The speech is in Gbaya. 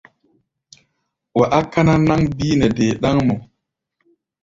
Wa á káná náŋ bíí nɛ dé ɗáŋmɔ.